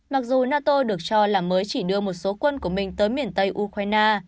mặc dù nato được cho là mới chỉ đưa một số quân của mình tới miền tây ukraine